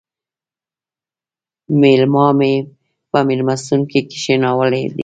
مېلما مې په مېلمستون کې کښېناولی دی